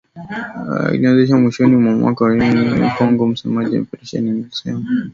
Ilianzishwa mwishoni mwa mwaka jana dhidi ya waasi wa kiislam mashariki mwa Kongo msemaji wa operesheni hiyo alisema.